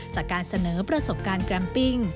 จากการเสนอประสบการณ์แกรมปิ้ง